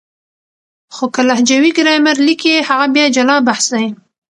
خو که لهجوي ګرامر ليکي هغه بیا جلا بحث دی.